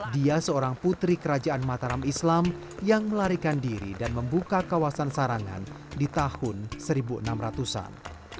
dia seorang putri kerajaan mataram islam yang melarikan diri dan membuka kawasan sarangan di tahun seribu enam ratus an